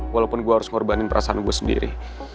walaupun gue harus ngorbanin perasaan gue sendiri